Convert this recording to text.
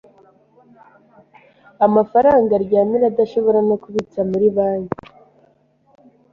amafaranga aryamira adashobora no kubitsa muri banki